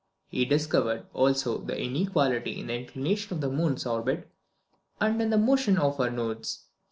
He discovered, also, the inequality in the inclination of the moon's orbit, and in the motion of her nodes.